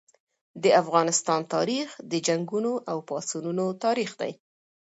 د افغانستان تاریخ د جنګونو او پاڅونونو تاریخ دی.